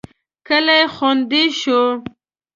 کلی خوندي شو.